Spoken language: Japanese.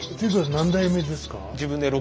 何代目ですか？